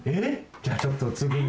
じゃあちょっとつぐみ。